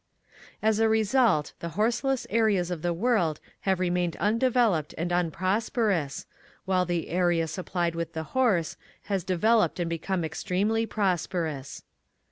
As a result, the horseless areas of the world have remained undeveloped and unpros perous, while the area supplied with the horse has developed and become ex tremely prosperous.